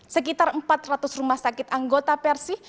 sekitar empat ratus rumah sakit anggota persi